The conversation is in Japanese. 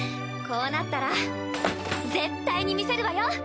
こうなったら絶対に見せるわよ